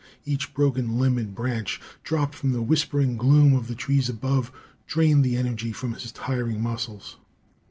Each broken limb and branch, dropped from the whispering gloom of the trees above, drained the energy from his tiring muscles.